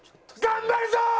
「頑張るぞー！」。